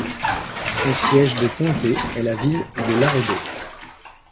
Son siège de comté est la ville de Laredo.